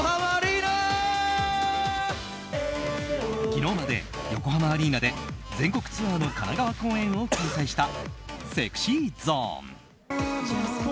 昨日まで横浜アリーナで全国ツアーの、神奈川公演を開催したＳｅｘｙＺｏｎｅ。